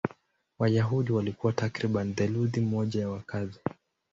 Wayahudi walikuwa takriban theluthi moja ya wakazi.